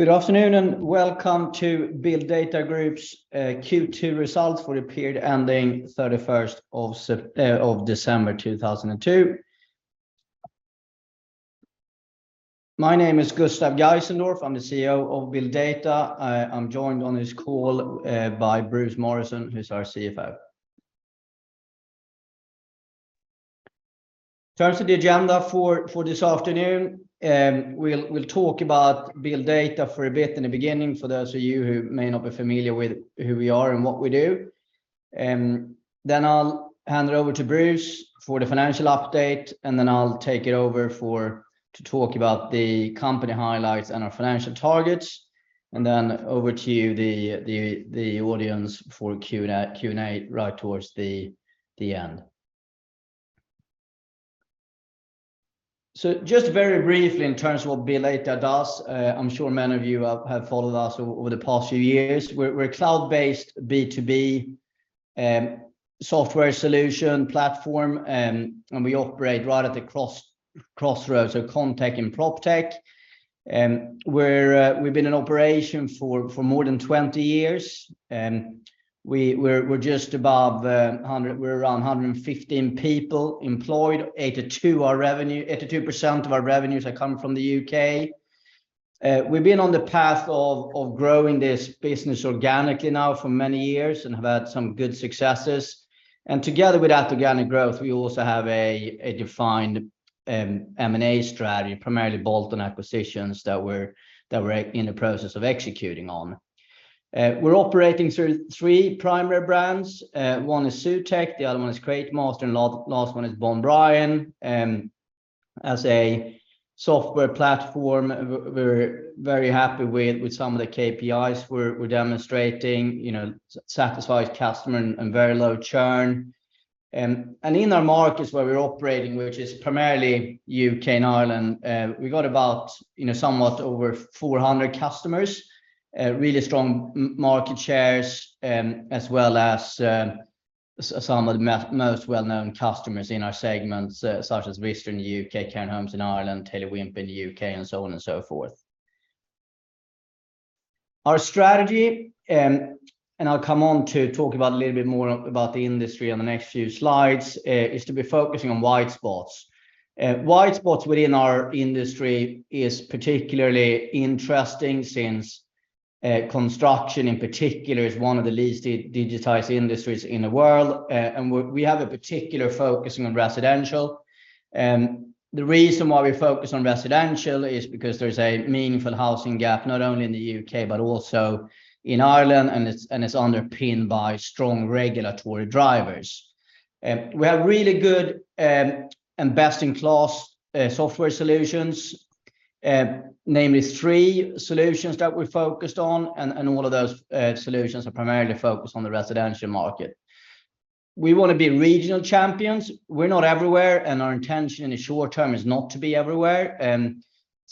Good afternoon, welcome to BuildData Group's Q2 Results for the Period Ending 31st of December 2002. My name is Gustave Geisendorf. I'm the CEO of BuildData. I'm joined on this call by Bruce Morrison, who's our CFO. In terms of the agenda for this afternoon, we'll talk about BuildData for a bit in the beginning for those of you who may not be familiar with who we are and what we do. I'll hand it over to Bruce for the financial update, and then I'll take it over to talk about the company highlights and our financial targets. Over to you, the audience for Q&A right towards the end. Just very briefly, in terms of what BuildData does, I'm sure many of you have followed us over the past few years. We're a cloud-based B2B software solution platform, and we operate right at the crossroads of ConTech and PropTech. We're we've been in operation for more than 20 years, we're just above 100. We're around 115 people employed. 82% of our revenues are coming from the UK. We've been on the path of growing this business organically now for many years and have had some good successes. Together with that organic growth, we also have a defined M&A strategy, primarily bolt-on acquisitions that we're in the process of executing on. We're operating through three primary brands. One is Zutec, the other one is Createmaster. Last one is Bond Bryan. As a software platform, we're very happy with some of the KPIs we're demonstrating, you know, satisfied customer and very low churn. In our markets where we're operating, which is primarily U.K. and Ireland, we've got about, you know, somewhat over 400 customers, really strong market shares, as well as some of the most well-known customers in our segments, such as Weston Homes, Cairn Homes in Ireland, Taylor Wimpey in the U.K., and so on and so forth. Our strategy, I'll come on to talk about a little bit more about the industry on the next few slides, is to be focusing on Widespots. Widespots within our industry is particularly interesting since construction in particular is one of the least digitized industries in the world. We have a particular focusing on residential. The reason why we focus on residential is because there's a meaningful housing gap, not only in the U.K., but also in Ireland, and it's underpinned by strong regulatory drivers. We have really good, and best-in-class, software solutions, namely three solutions that we're focused on. All of those solutions are primarily focused on the residential market. We wanna be regional champions. We're not everywhere, and our intention in the short term is not to be everywhere.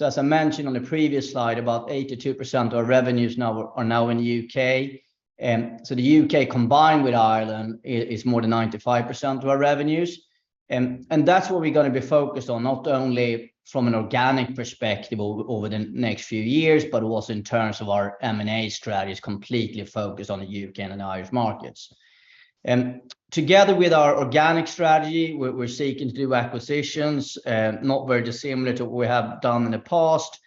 As I mentioned on the previous slide, about 82% of our revenues are now in the U.K. The UK combined with Ireland is more than 95% of our revenues. That's what we're gonna be focused on, not only from an organic perspective over the next few years, but also in terms of our M&A strategy is completely focused on the UK and Irish markets. Together with our organic strategy, we're seeking to do acquisitions, not very dissimilar to what we have done in the past.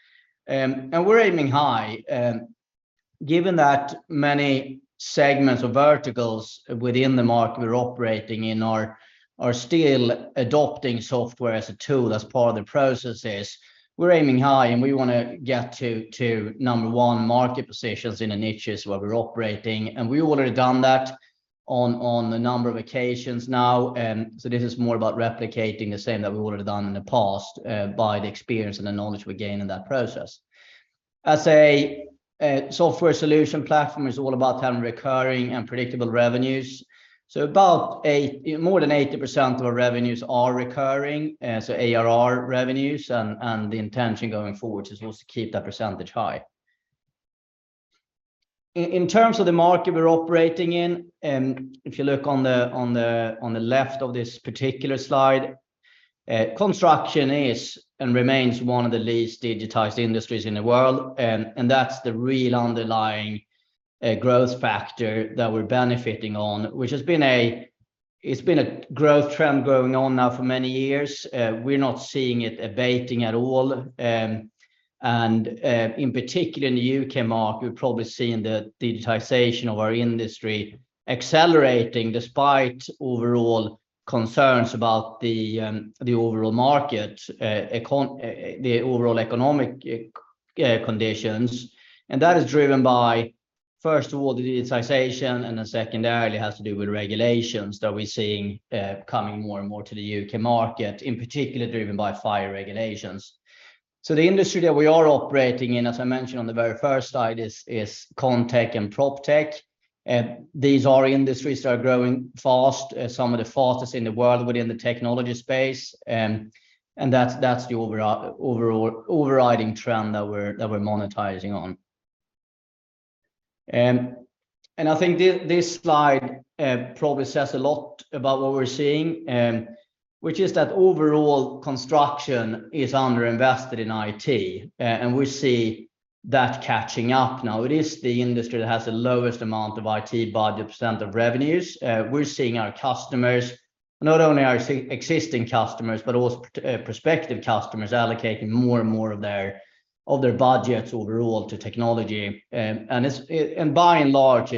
We're aiming high. Given that many segments or verticals within the market we're operating in are still adopting software as a tool, as part of the processes, we're aiming high, and we wanna get to number one market positions in the niches where we're operating. We've already done that on a number of occasions now. This is more about replicating the same that we've already done in the past, by the experience and the knowledge we gain in that process. As a software solution platform is all about having recurring and predictable revenues. About more than 80% of our revenues are recurring, so ARR revenues, and the intention going forward is also to keep that percentage high. In terms of the market we're operating in, if you look on the left of this particular slide, construction is and remains one of the least digitized industries in the world. That's the real underlying growth factor that we're benefiting on, which has been a growth trend going on now for many years. We're not seeing it abating at all. In particular in the U.K. market, we're probably seeing the digitization of our industry accelerating despite overall concerns about the overall economic conditions. That is driven by, first of all, the digitization, and then secondarily has to do with regulations that we're seeing coming more and more to the U.K. market, in particular driven by fire regulations. The industry that we are operating in, as I mentioned on the very first slide, is ConTech and PropTech. These are industries that are growing fast, some of the fastest in the world within the technology space. That's the overriding trend that we're monetizing on. I think this slide probably says a lot about what we're seeing, which is that overall construction is under-invested in IT, and we see that catching up now. It is the industry that has the lowest amount of IT budget percent of revenues. We're seeing our customers, not only our existing customers, but also perspective customers allocating more and more of their budgets overall to technology. By and large,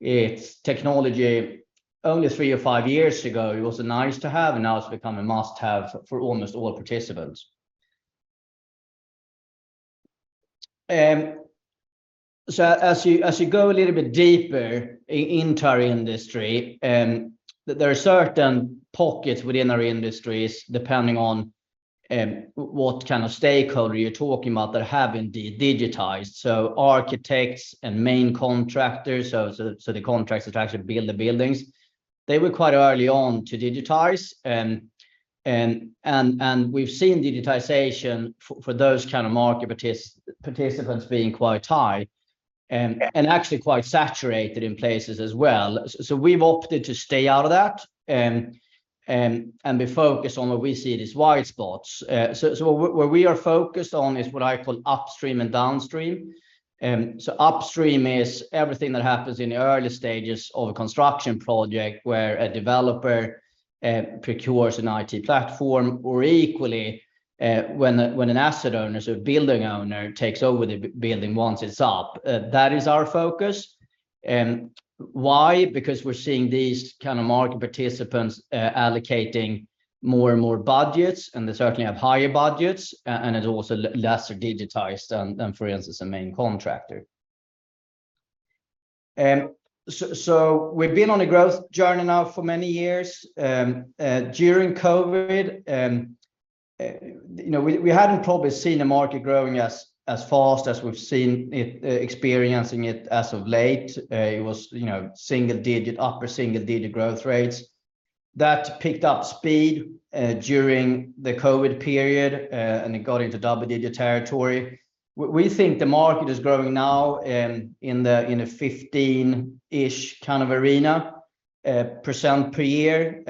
it's technology only three or five years ago, it was a nice-to-have, and now it's become a must-have for almost all participants. As you go a little bit deeper into our industry, there are certain pockets within our industries, depending on what kind of stakeholder you're talking about that have indeed digitized. Architects and main contractors, so the contractors that actually build the buildings, they were quite early on to digitize. And we've seen digitization for those kind of market participants being quite high and actually quite saturated in places as well. We've opted to stay out of that and be focused on what we see are these wide spots. So where we are focused on is what I call upstream and downstream. Upstream is everything that happens in the early stages of a construction project where a developer procures an IT platform, or equally, when an asset owner, so building owner, takes over the building once it's up. That is our focus. Why? Because we're seeing these kind of market participants allocating more and more budgets, and they certainly have higher budgets and is also lesser digitized than, for instance, a main contractor. We've been on a growth journey now for many years. During COVID, you know, we hadn't probably seen the market growing as fast as we've seen it, experiencing it as of late. It was, you know, single-digit, upper single-digit growth rates. That picked up speed during the COVID period, and it got into double-digit territory. We think the market is growing now, in the 15-ish kind of arena, % per year.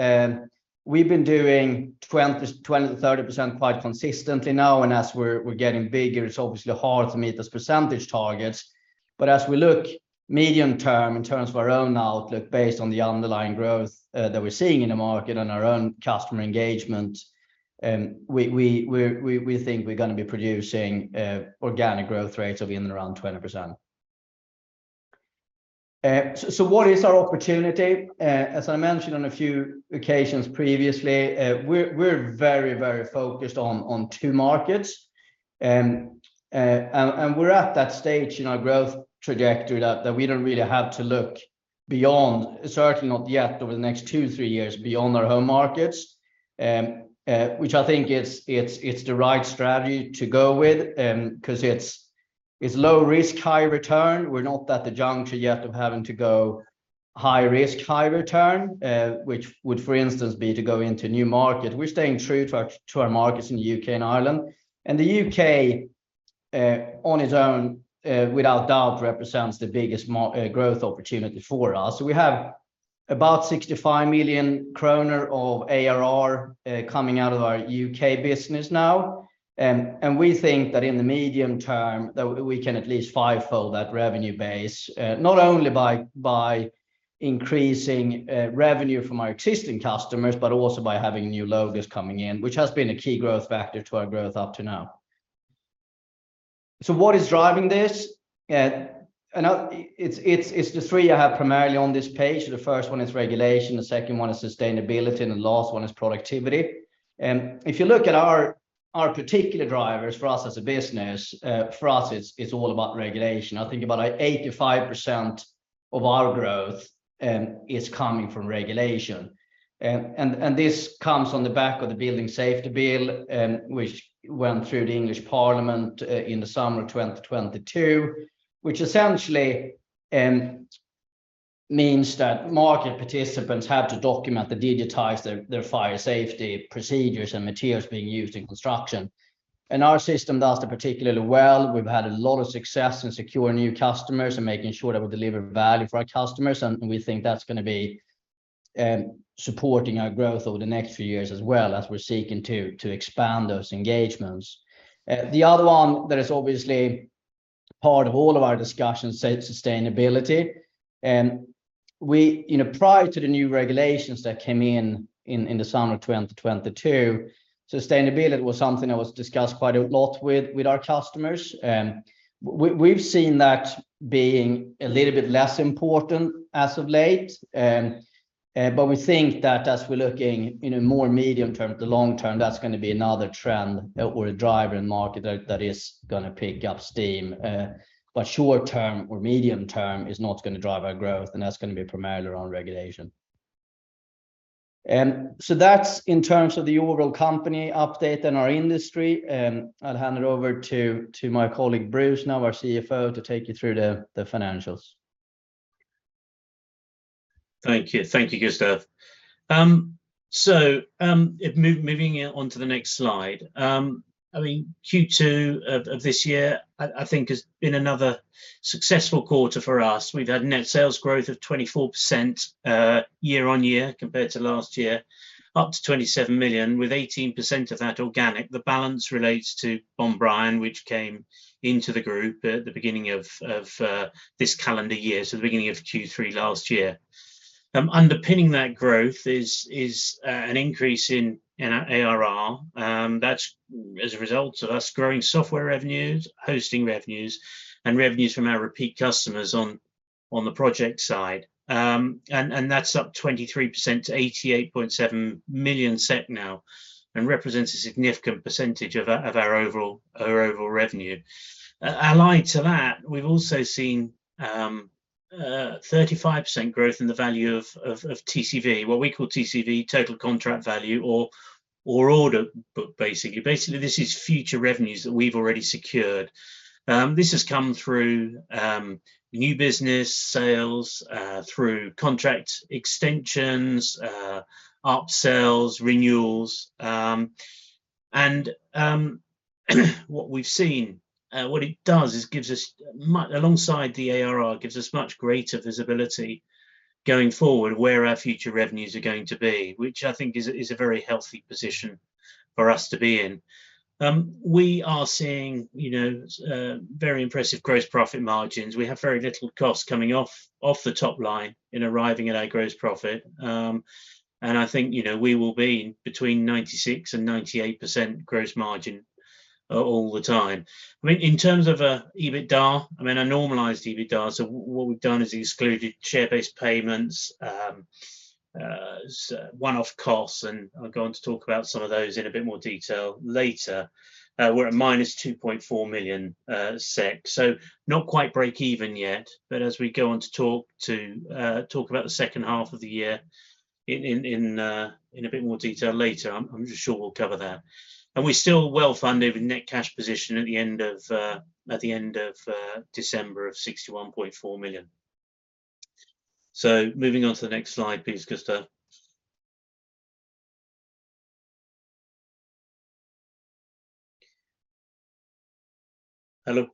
We've been doing 20%-30% quite consistently now, as we're getting bigger, it's obviously hard to meet those percentage targets. As we look medium term in terms of our own outlook based on the underlying growth that we're seeing in the market and our own customer engagement, we think we're gonna be producing organic growth rates of in and around 20%. What is our opportunity? As I mentioned on a few occasions previously, we're very focused on two markets. We're at that stage in our growth trajectory that we don't really have to look beyond, certainly not yet over the next two, three years, beyond our home markets, which I think is the right strategy to go with, 'cause it's low risk, high return. We're not at the juncture yet of having to go high risk, high return, which would, for instance, be to go into a new market. We're staying true to our markets in the UK and Ireland. The UK, on its own, without doubt represents the biggest growth opportunity for us. We have about 65 million kronor of ARR, coming out of our UK business now. We think that in the medium term, that we can at least fivefold that revenue base, not only by increasing revenue from our existing customers, but also by having new logos coming in, which has been a key growth factor to our growth up to now. What is driving this? It's the three I have primarily on this page. The first one is regulation, the second one is sustainability, and the last one is productivity. If you look at our particular drivers for us as a business, for us, it's all about regulation. I think about 85% of our growth is coming from regulation. This comes on the back of the Building Safety Bill, which went through the English Parliament in the summer of 2022, which essentially means that market participants have to document and digitize their fire safety procedures and materials being used in construction. Our system does that particularly well. We've had a lot of success in securing new customers and making sure that we deliver value for our customers, and we think that's gonna be supporting our growth over the next few years as well, as we're seeking to expand those engagements. The other one that is obviously part of all of our discussions is sustainability. We, you know, prior to the new regulations that came in the summer of 2022, sustainability was something that was discussed quite a lot with our customers. We've seen that being a little bit less important as of late. We think that as we're looking in a more medium term to long term, that's gonna be another trend or a driver in market that is gonna pick up steam. Short term or medium term is not gonna drive our growth, and that's gonna be primarily around regulation. That's in terms of the overall company update and our industry. I'll hand it over to my colleague Bruce now, our CFO, to take you through the financials. Thank you. Thank you, Gustav. Moving on to the next slide. I mean, Q2 of this year, I think has been another successful quarter for us. We've had net sales growth of 24% year-on-year compared to last year, up to 27 million with 18% of that organic. The balance relates to Bond Bryan, which came into the group at the beginning of this calendar year, so the beginning of Q3 last year. Underpinning that growth is an increase in our ARR. That's as a result of us growing software revenues, hosting revenues, and revenues from our repeat customers on the project side. That's up 23% to 88.7 million SEK now, and represents a significant percentage of our overall revenue. Allied to that, we've also seen 35% growth in the value of TCV, what we call TCV, Total Contract Value or order book, basically. Basically, this is future revenues that we've already secured. This has come through new business sales, through contract extensions, upsells, renewals. What we've seen. What it does is gives us alongside the ARR, gives us much greater visibility going forward where our future revenues are going to be, which I think is a very healthy position for us to be in. We are seeing, you know, very impressive gross profit margins. We have very little costs coming off the top line in arriving at our gross profit. I think, you know, we will be between 96%-98% gross margin all the time. I mean, in terms of EBITDA, I mean, our normalized EBITDA, so what we've done is excluded share-based payments, one-off costs. I'll go on to talk about some of those in a bit more detail later. We're at minus 2.4 million SEK, so not quite break even yet. As we go on to talk to talk about the second half of the year in a bit more detail later, I'm sure we'll cover that. We're still well-funded with net cash position at the end of December of 61.4 million. Moving on to the next slide, please, Gustav. Hello.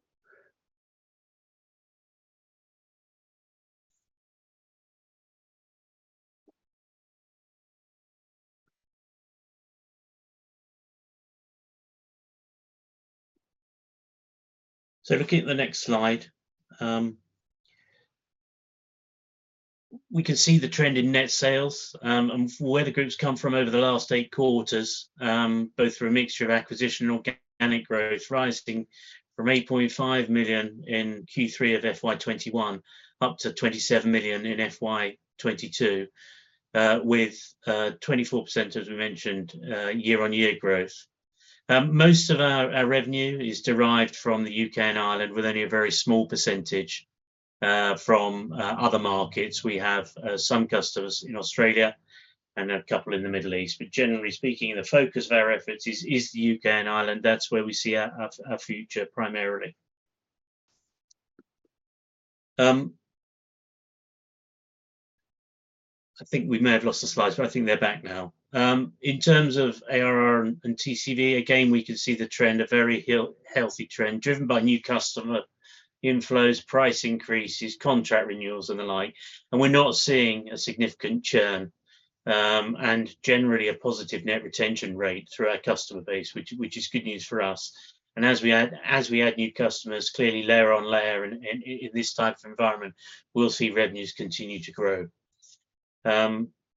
Looking at the next slide, we can see the trend in net sales, and where the group's come from over the last eight quarters, both through a mixture of acquisition and organic growth, rising from 8.5 million in Q3 of FY 2021 up to 27 million in FY 2022, with 24%, as we mentioned, year-on-year growth. Most of our revenue is derived from the UK and Ireland, with only a very small percentage from other markets. We have some customers in Australia and a couple in the Middle East. Generally speaking, the focus of our efforts is the UK and Ireland. That's where we see our future primarily. I think we may have lost the slides, but I think they're back now. In terms of ARR and TCV, again, we can see the trend, a very healthy trend driven by new customer inflows, price increases, contract renewals and the like, and we're not seeing a significant churn, and generally a positive net retention rate through our customer base, which is good news for us. As we add new customers, clearly layer on layer in this type of environment, we'll see revenues continue to grow.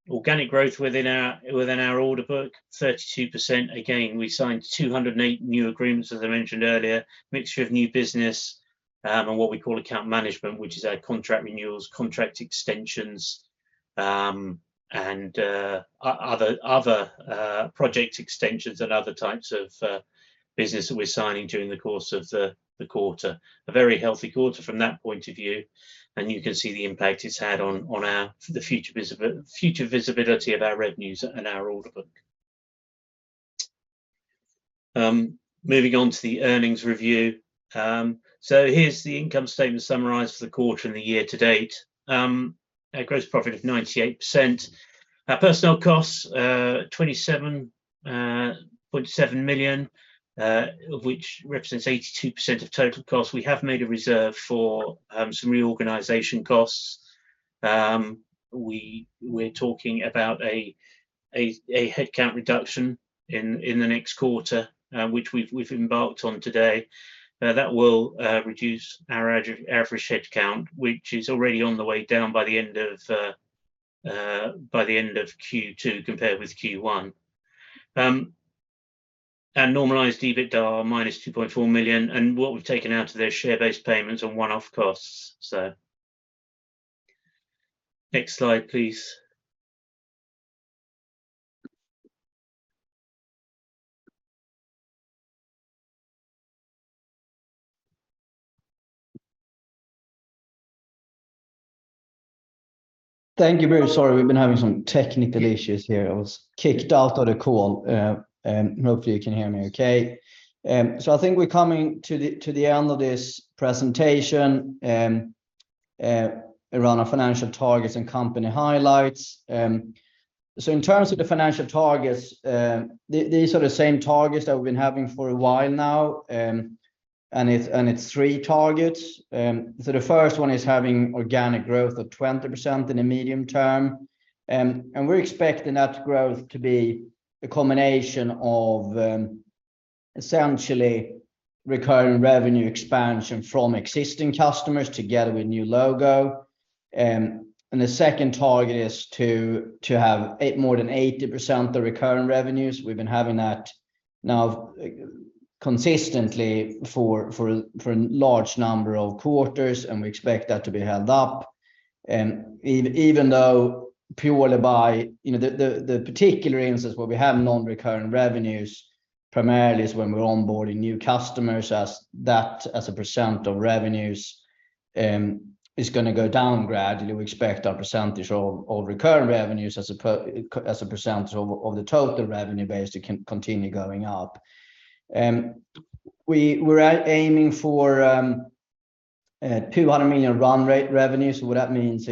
Organic growth within our order book, 32%. We signed 208 new agreements, as I mentioned earlier, mixture of new business, and what we call account management, which is our contract renewals, contract extensions, and other project extensions and other types of business that we're signing during the course of the quarter. A very healthy quarter from that point of view, and you can see the impact it's had on our future visibility of our revenues and our order book. Moving on to the earnings review. Here's the income statement summarized for the quarter and the year to date. A gross profit of 98%. Our personnel costs, 27.7 million, of which represents 82% of total costs. We have made a reserve for some reorganization costs. We're talking about a headcount reduction in the next quarter, which we've embarked on today. That will reduce our average headcount, which is already on the way down by the end of Q2 compared with Q1. normalized EBITDA, -2.4 million, and what we've taken out are the share-based payments on one-off costs. Next slide, please. Thank you. Very sorry, we've been having some technical issues here. I was kicked out of the call. Hopefully you can hear me okay. I think we're coming to the end of this presentation. Around our financial targets and company highlights. In terms of the financial targets, these are the same targets that we've been having for a while now. It's three targets. The first one is having organic growth of 20% in the medium term. We're expecting that growth to be a combination of essentially recurring revenue expansion from existing customers together with new logo. The second target is to have more than 80% the recurring revenues. We've been having that now consistently for a large number of quarters, and we expect that to be held up. Even though purely by, you know, the particular instance where we have non-recurring revenues primarily is when we're onboarding new customers as that as a % of revenues, is gonna go down gradually. We expect our percentage of recurring revenues as a % of the total revenue base to continue going up. We're aiming for 200 million run rate revenue. What that means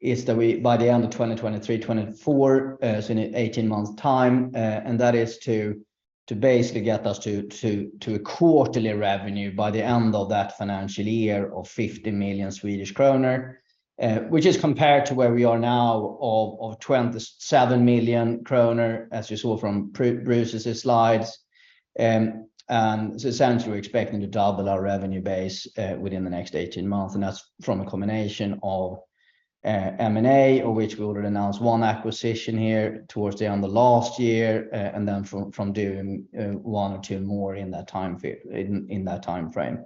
is that we by the end of 2023, 2024, so in 18 months' time, and that is to basically get us to a quarterly revenue by the end of that financial year of 50 million Swedish kronor. Which is compared to where we are now of 27 million kronor, as you saw from Bruce's slides. Essentially, we're expecting to double our revenue base within the next 18 months, and that's from a combination of M&A of which we already announced one acquisition here towards the end of last year, and then from doing one or two more in that timeframe.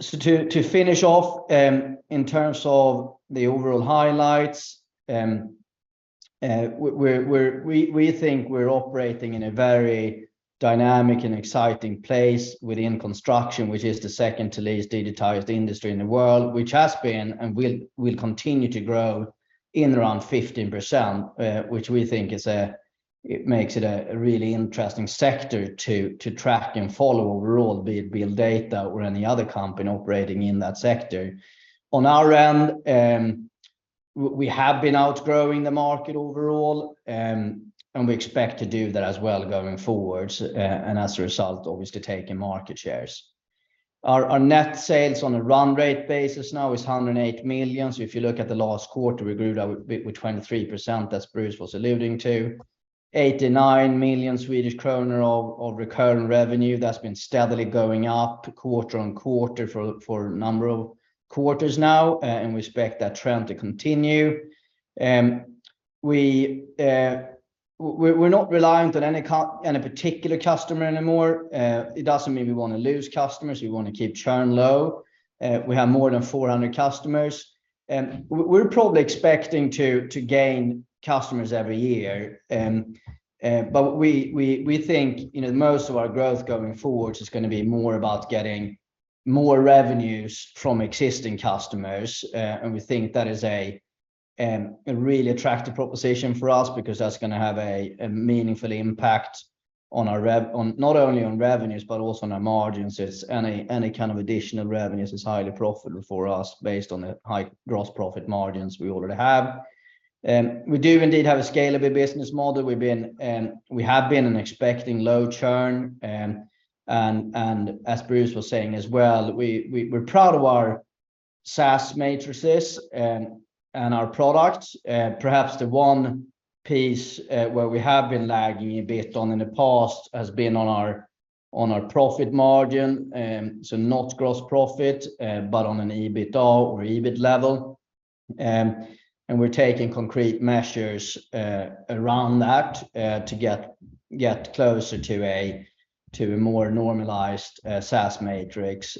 To finish off, in terms of the overall highlights, we think we're operating in a very dynamic and exciting place within construction, which is the second to least digitized industry in the world, which has been and will continue to grow in around 15%, which we think is a It makes it a really interesting sector to track and follow overall, be it BuildData or any other company operating in that sector. On our end, we have been outgrowing the market overall, and we expect to do that as well going forwards, and as a result, obviously taking market shares. Our net sales on a run rate basis now is 108 million. If you look at the last quarter, we grew that with 23%, as Bruce was alluding to. 89 million Swedish kronor of recurring revenue. That's been steadily going up quarter-on-quarter for a number of quarters now, and we expect that trend to continue. We're not reliant on any particular customer anymore. It doesn't mean we wanna lose customers. We wanna keep churn low. We have more than 400 customers. We're probably expecting to gain customers every year. We think, you know, most of our growth going forwards is going to be more about getting more revenues from existing customers. We think that is a really attractive proposition for us because that's going to have a meaningful impact on our on not only on revenues but also on our margins. It's any kind of additional revenues is highly profitable for us based on the high gross profit margins we already have. We do indeed have a scalable business model. We've been, we have been and expecting low churn. As Bruce was saying as well, we're proud of our SaaS matrices and our products. Perhaps the one piece where we have been lagging a bit on in the past has been on our profit margin. Not gross profit, but on an EBITDA or EBIT level. We're taking concrete measures around that to get closer to a more normalized SaaS matrix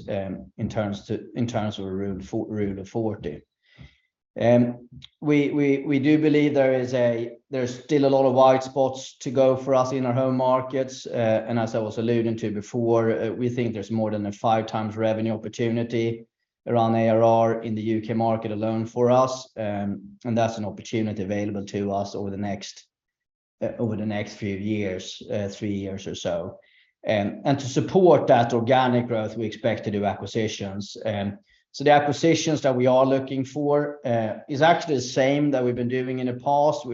in terms of Rule of 40. We do believe there's still a lot of white spots to go for us in our home markets. As I was alluding to before, we think there's more than a five times revenue opportunity around ARR in the U.K. market alone for us. That's an opportunity available to us over the next few years, three years or so. To support that organic growth, we expect to do acquisitions. The acquisitions that we are looking for, is actually the same that we've been doing in the past.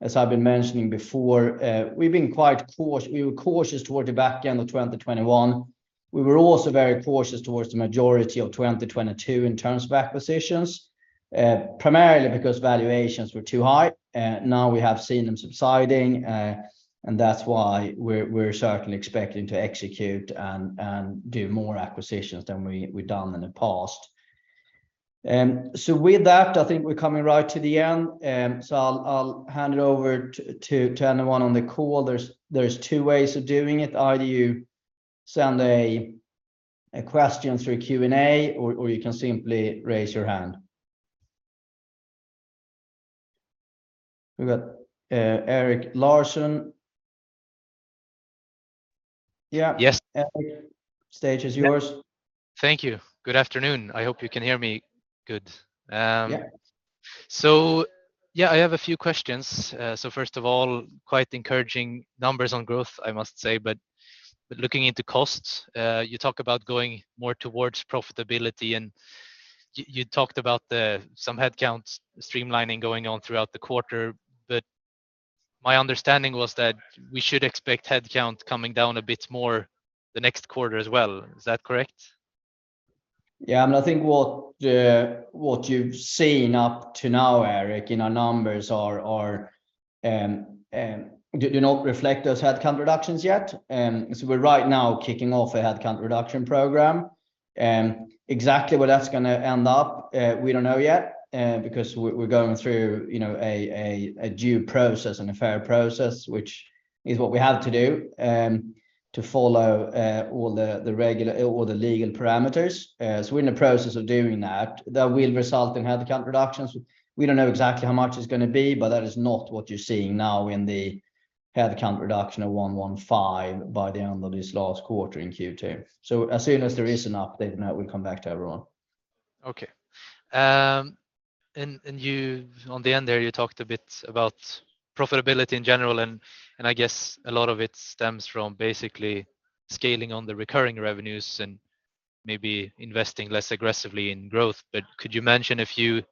As I've been mentioning before, we were cautious toward the back end of 2021. We were also very cautious towards the majority of 2022 in terms of acquisitions, primarily because valuations were too high. Now we have seen them subsiding. That's why we're certainly expecting to execute and do more acquisitions than we've done in the past. With that, I think we're coming right to the end. I'll hand it over to anyone on the call. There's two ways of doing it. Either you send a question through Q&A, or you can simply raise your hand. We've got Eric Larson. Yeah. Yes. Eric, stage is yours. Thank you. Good afternoon. I hope you can hear me good. Yeah Yeah, I have a few questions. First of all, quite encouraging numbers on growth, I must say. Looking into costs, you talk about going more towards profitability, and you talked about some headcounts streamlining going on throughout the quarter. My understanding was that we should expect headcount coming down a bit more the next quarter as well. Is that correct? I think what you've seen up to now, Eric, in our numbers do not reflect those headcount reductions yet. We're right now kicking off a headcount reduction program. Exactly where that's gonna end up, we don't know yet, because we're going through, you know, a due process and a fair process, which is what we have to do, to follow all the legal parameters. We're in the process of doing that. That will result in headcount reductions. We don't know exactly how much it's gonna be, but that is not what you're seeing now in the headcount reduction of 115 by the end of this last quarter in Q2. As soon as there is an update now, we'll come back to everyone. Okay. On the end there, you talked a bit about profitability in general, and I guess a lot of it stems from basically scaling on the recurring revenues and maybe investing less aggressively in growth. Could you mention a few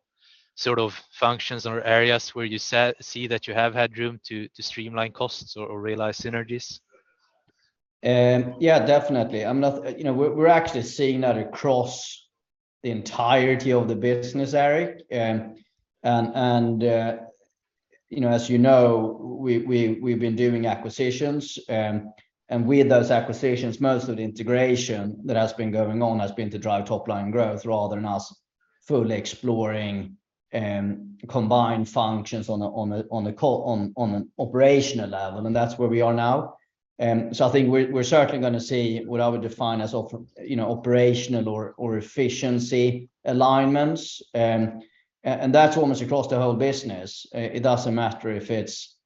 sort of functions or areas where you see that you have had room to streamline costs or realize synergies? Yeah, definitely. You know, we're actually seeing that across the entirety of the business, Eric. You know, as you know, we've been doing acquisitions, and with those acquisitions, most of the integration that has been going on has been to drive top-line growth rather than us fully exploring combined functions on an operational level, and that's where we are now. I think we're certainly gonna see what I would define as of, you know, operational or efficiency alignments, and that's almost across the whole business. It doesn't matter if it's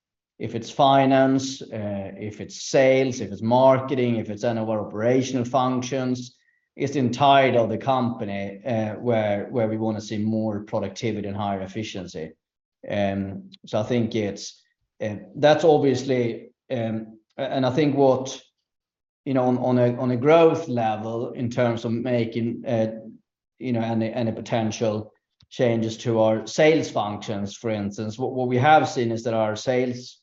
finance, if it's sales, if it's marketing, if it's any of our operational functions, it's the entire of the company where we wanna see more productivity and higher efficiency. That's obviously. I think what, you know, on a growth level in terms of making, you know, any potential changes to our sales functions, for instance. What we have seen is that our sales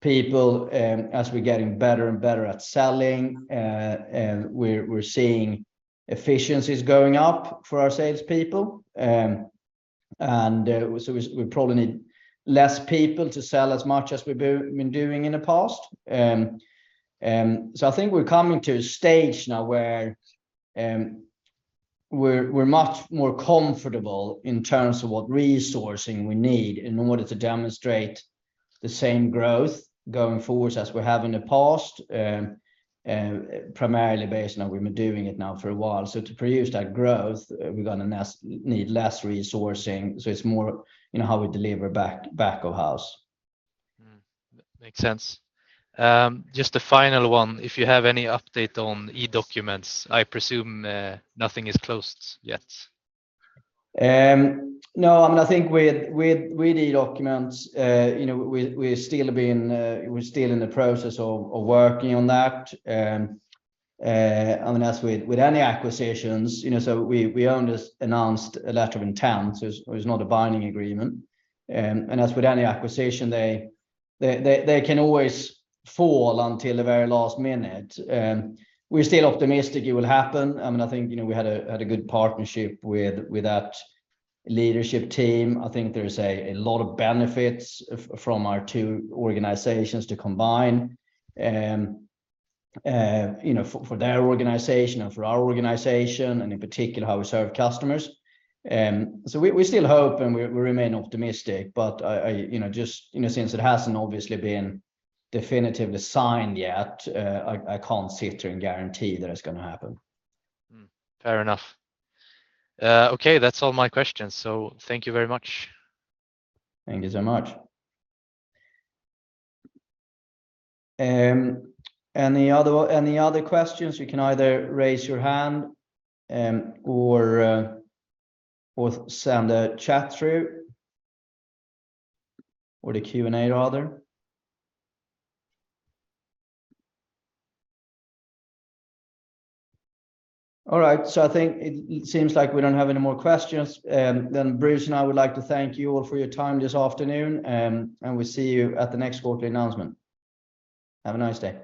people, as we're getting better and better at selling, and we're seeing efficiencies going up for our sales people. So we probably need less people to sell as much as we've been doing in the past. I think we're coming to a stage now where we're much more comfortable in terms of what resourcing we need in order to demonstrate the same growth going forwards as we have in the past, primarily based on we've been doing it now for a while. To produce that growth, we're gonna need less resourcing. It's more, you know, how we deliver back of house. Mm. Makes sense. Just a final one, if you have any update on e-Documents. I presume, nothing is closed yet. No, I mean, I think with e-Documents, you know, we're still in the process of working on that. I mean, as with any acquisitions, you know, so we only just announced a letter of intent, so it's not a binding agreement. As with any acquisition, they can always fall until the very last minute. We're still optimistic it will happen. I mean, I think, you know, we had a good partnership with that leadership team. I think there's a lot of benefits from our two organizations to combine, you know, for their organization and for our organization and in particular how we serve customers. We still hope, and we remain optimistic. I, you know, just, you know, since it hasn't obviously been definitively signed yet, I can't sit here and guarantee that it's gonna happen. Mm. Fair enough. Okay. That's all my questions, so thank you very much. Thank you so much. Any other questions? You can either raise your hand, or send a chat through, or the Q&A rather. I think it seems like we don't have any more questions. Bruce and I would like to thank you all for your time this afternoon, and we'll see you at the next quarterly announcement. Have a nice day.